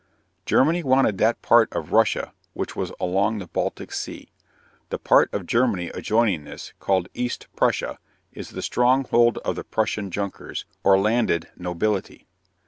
Germany wanted that part of Russia which was along the Baltic Sea. The part of Germany adjoining this, called East Prussia, is the stronghold of the Prussian Junkers, or landed nobility.